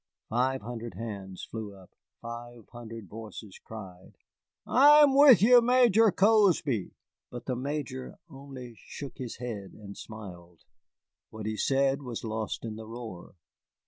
Five hundred hands flew up, five hundred voices cried, "I'm with ye, Major Cozby!" But the Major only shook his head and smiled. What he said was lost in the roar.